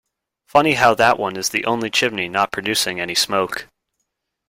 Funny how that one is the only chimney not producing any smoke.